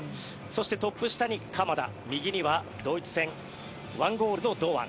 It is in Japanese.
そしてトップ下に鎌田右にはドイツ戦１ゴールの堂安。